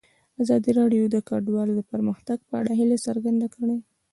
ازادي راډیو د کډوال د پرمختګ په اړه هیله څرګنده کړې.